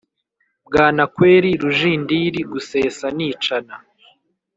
Bwanakweli, Rujindiri gusesa nicana